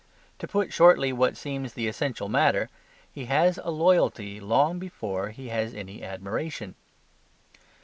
To put shortly what seems the essential matter, he has a loyalty long before he has any admiration.